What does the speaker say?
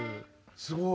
すごい。